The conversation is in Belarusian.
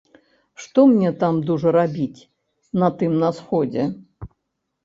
Што мне там дужа рабіць, на тым на сходзе?